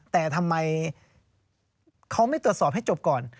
แต่ทำไมเขาไม่ตรวจสอบให้จบก่อน